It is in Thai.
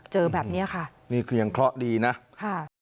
แบบเนี้ยค่ะนี่คือยังเคราะห์ดีนะค่ะ